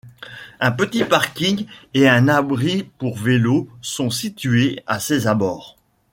Un petit parking et un abri pour vélos sont situés à ses abords.